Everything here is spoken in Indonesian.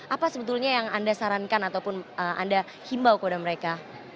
apa sebetulnya yang anda sarankan ataupun anda himbau kepada mereka